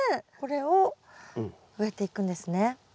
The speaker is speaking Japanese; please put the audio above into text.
これを植えていくんですね。